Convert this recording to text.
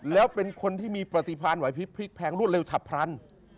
แล้วเป็นคนที่มีประติภาณไหวพริกแพงรวดเร็วฉับพรรณ